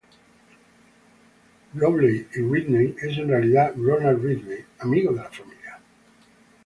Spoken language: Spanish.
Rowling y Ridley es en realidad Ronald Ridley, amigo de la familia.